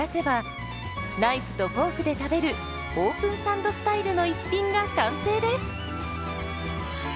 ナイフとフォークで食べるオープンサンドスタイルの一品が完成です。